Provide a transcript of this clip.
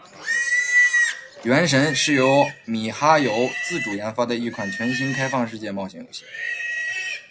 《原神》是由米哈游自主研发的一款全新开放世界冒险游戏。